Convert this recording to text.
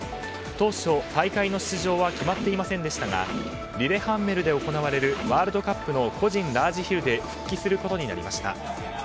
当初、大会の出場は決まっていませんでしたがリレハンメルで行われるワールドカップの個人ラージヒルで復帰することになりました。